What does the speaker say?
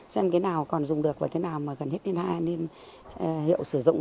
xem cái nào còn dùng được và cái nào mà gần hết nên hiệu sử dụng